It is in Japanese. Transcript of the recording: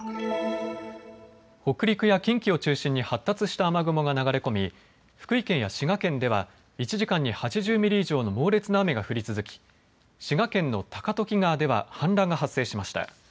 北陸や近畿を中心に発達した雨雲が流れ込み福井県や滋賀県では１時間に８０ミリ以上の猛烈な雨が降り続き、滋賀県の高時川では氾濫が発生しました。